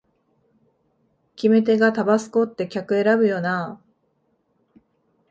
決め手がタバスコって客選ぶよなあ